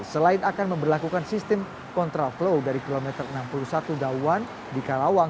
selain akan memperlakukan sistem kontraflow dari kilometer enam puluh satu dawan di karawang